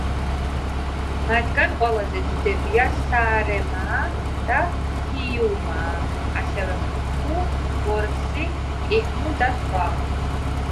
მათგან ყველაზე დიდებია საარემაა და ჰიიუმაა, ასევე მუჰუ, ვორმსი, კიჰნუ და სხვა.